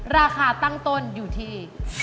ราคาตั้งต้นอยู่ที่